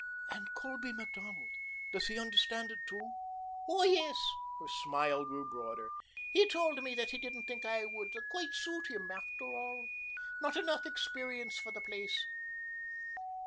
"And Colby Macdonald does he understand it too?" "Oh, yes." Her smile grew broader. "He told me that he didn't think I would quite suit him, after all. Not enough experience for the place."